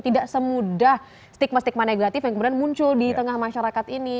tidak semudah stigma stigma negatif yang kemudian muncul di tengah masyarakat ini